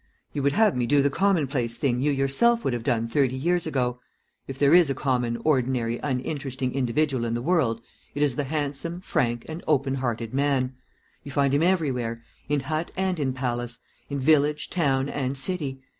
You would have me do the commonplace thing you yourself would have done thirty years ago. If there is a common, ordinary, uninteresting individual in the world, it is the handsome, frank, and open hearted man. You find him everywhere in hut and in palace, in village, town, and city.